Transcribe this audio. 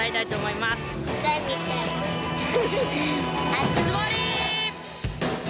熱盛！